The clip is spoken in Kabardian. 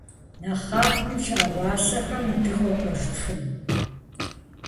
Нэхъапэм щыӏа уасэхэм дыхуэкӏуэжыфыну?